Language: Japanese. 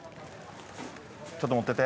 ちょっと持ってて。